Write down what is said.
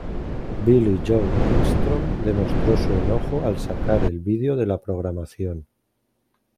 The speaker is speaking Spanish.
Billie Joe Armstrong demostró su enojo al sacar el vídeo de la programación.